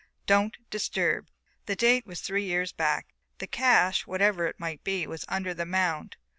Don't disturb 19 " The date was three years back. The cache, whatever it might be, was under the mound.